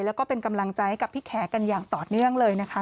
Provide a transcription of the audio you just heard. แล้วก็เป็นกำลังใจให้กับพี่แขกกันอย่างต่อเนื่องเลยนะคะ